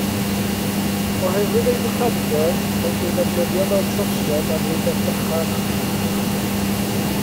Oherwydd ei fychander, caiff ei ddefnyddio fel trosiad am rywbeth bychan.